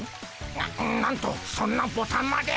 ななんとそんなボタンまで。